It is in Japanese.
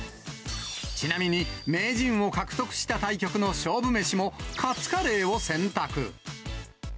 ちなみに名人を獲得した対局の勝負飯も、カツカレーを選択。